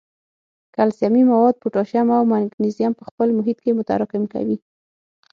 کلسیمي مواد، پوټاشیم او مګنیزیم په خپل محیط کې متراکم کوي.